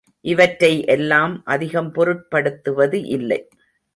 இவற்றை எல்லாம் அதிகம் பொருட்படுத்துவது இல்லை.